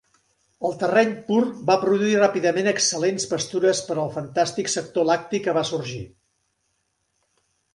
El terreny pur va produir ràpidament excel·lents pastures per al fantàstic sector lacti que va sorgir.